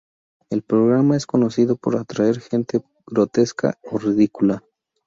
El programa es conocido por atraer gente grotesca o ridícula.